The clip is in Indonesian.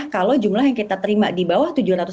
kalau jumlah yang kita terima di bawah tujuh ratus